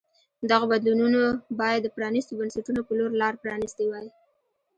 دغو بدلونونو باید د پرانیستو بنسټونو په لور لار پرانیستې وای.